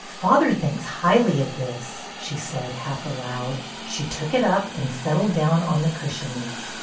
Father thinks highly of this," she said half aloud. She took it up and settled down on the cushions.